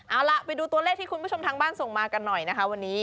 เอาล่ะไปดูตัวเลขที่คุณผู้ชมทางบ้านส่งมากันหน่อยนะคะวันนี้